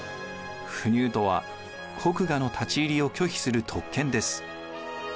不入とは国衙の立ち入りを拒否する特権です。